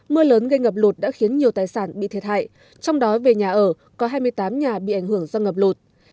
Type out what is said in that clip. mưa lớn gây ngập lụt đã khiến nhiều tài sản bị thiệt hại trong đó về nhà ở có hai mươi tám nhà bị ảnh hưởng do ngập lụt